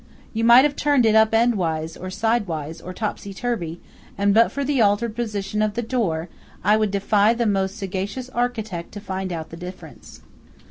You might have turned it up endwise, or sidewise, or topsy turvy, and but for the altered position of the door, I would defy the most sagacious architect to find out the difference.